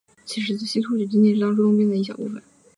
此时的西突厥仅仅是当初的东边一小部分。